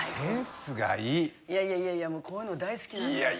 いやいやいやいやこういうの大好きなんですいや